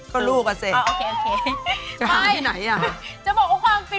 คือลูกอ่ะเซ